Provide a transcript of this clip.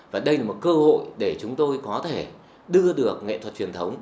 và đây là một cơ hội để chúng tôi có thể đưa được nghệ thuật truyền thống